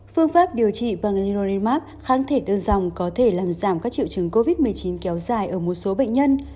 phương pháp điều trị bằng lirari mark kháng thể đơn dòng có thể làm giảm các triệu chứng covid một mươi chín kéo dài ở một số bệnh nhân